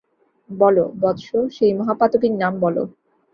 বলো, বৎস, সেই মহাপাতকীর নাম বলো।